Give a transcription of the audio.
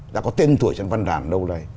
đã có tên tuổi trong văn đàn lâu nay